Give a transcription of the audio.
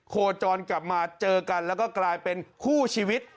โคจรกลับมาเจอกันแล้วก็กลายเป็นคู่ชีวิต